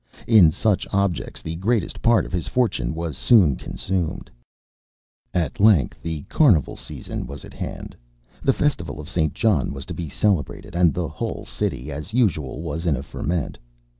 In such objects the greatest part of his fortune was soon consumed. At length the Carnival season was at hand; the festival of St. John was to be celebrated, and the whole city, as usual, was in a ferment.